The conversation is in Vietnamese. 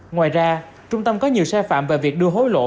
ngoài ra trung tâm có nhiều sai phạm về việc đưa hối lộ